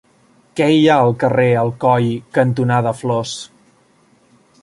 Què hi ha al carrer Alcoi cantonada Flors?